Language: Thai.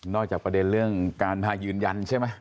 จากประเด็นเรื่องการพายืนยันใช่ไหม